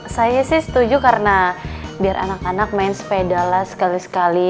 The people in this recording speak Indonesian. saya sih setuju karena biar anak anak main sepeda lah sekali sekali